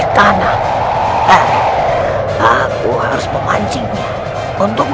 tunggu kandang prabu